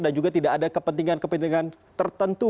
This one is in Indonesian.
dan juga tidak ada kepentingan kepentingan tertentu